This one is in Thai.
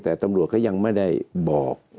แต่ตำรวจเขายังไม่ได้บอก